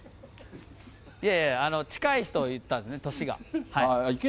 いやいや、近い人を言ったんですね、年が。